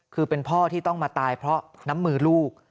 คือเป็นพ่อที่ต้องมาตายเพราะน้ำมือลูก